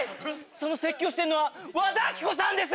その説教してるのは和田アキ子さんです！